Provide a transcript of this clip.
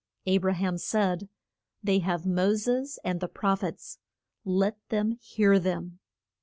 A bra ham said, They have Mo ses and the proph ets, let them hear them.